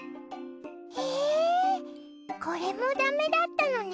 えこれもだめだったのね。